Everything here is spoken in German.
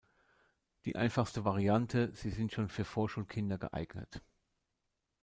Die einfachste Variante, sie sind schon für Vorschulkinder geeignet.